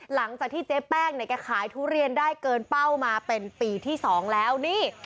หลังจากที่เจ๊แป้งเนี่ยแกขายทุเรียนได้เกินเป้ามาเป็นปีที่๒แล้วนี่